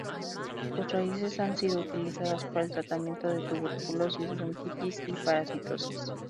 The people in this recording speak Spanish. Sus raíces han sido utilizadas para el tratamiento de tuberculosis, bronquitis y parasitosis.